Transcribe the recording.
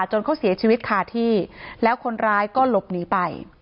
จนเขาเสียชีวิตคาที่แล้วคนร้ายก็หลบหนีไป